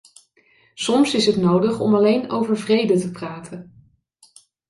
Soms is het nodig om alleen over vrede te praten.